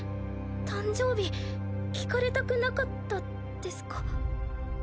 誕生日聞かれたくなかったですか？